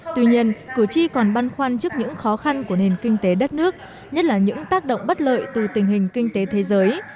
tuy nhiên cử tri còn băn khoăn trước những khó khăn của nền kinh tế đất nước nhất là những tác động bất lợi từ tình hình kinh tế thế giới